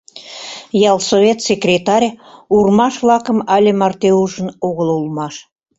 Ялсовет секретарь урмаш лакым але марте ужын огыл улмаш!..